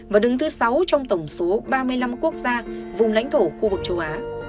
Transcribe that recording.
và đứng thứ sáu trong tổng số ba mươi năm quốc gia vùng lãnh thổ khu vực châu á